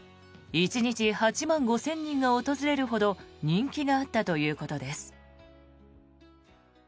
１日８万５０００人が訪れるほど人気があったということです。